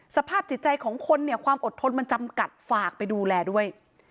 สภาพจิตใจของคนเนี่ยความอดทนมันจำกัดฝากไปดูแลด้วย